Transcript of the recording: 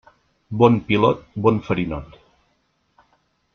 Bon pilot, bon farinot.